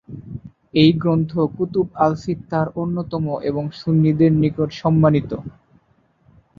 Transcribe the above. এই গ্রন্থ কুতুব আল-সিত্তাহর অন্যতম এবং সুন্নিদের নিকট সম্মানিত।